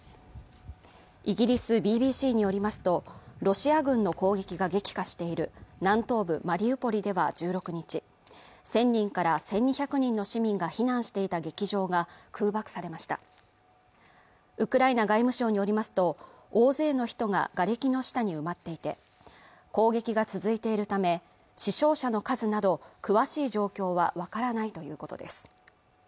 イギリスＢＢＣによりますとロシア軍の攻撃が激化している南東部マリウポリでは１６日１０００人から１２００人の市民が避難していた劇場が空爆されましたウクライナ外務省によりますと大勢の人ががれきの下に埋まっていて攻撃が続いているため死傷者の数など詳しい状況はわからないということです